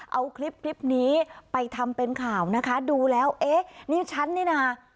เอาคลิปคลิปนี้ไปทำเป็นข่าวนะคะดูแล้วเอ๊ะนี่ฉันนี่น่ะ